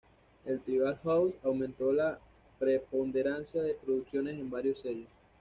El "tribal house" aumentó la preponderancia de producciones en varios sellos.